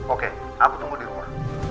oke aku tunggu di rumah